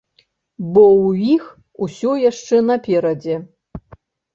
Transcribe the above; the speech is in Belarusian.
Бо ў іх усё яшчэ наперадзе.